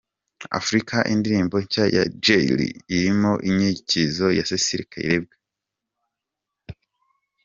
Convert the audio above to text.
Africa indirimbo nshya ya Jay Lee irimo inyikirizo ya Cecile Kayirebwa.